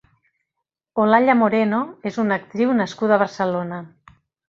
Olalla Moreno és una actriu nascuda a Barcelona.